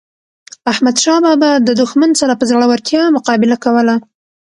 احمد شاه بابا د دښمن سره په زړورتیا مقابله کوله.